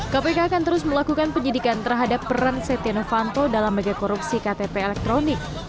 kpk akan terus melakukan penyidikan terhadap peran setia novanto dalam megakorupsi ktp elektronik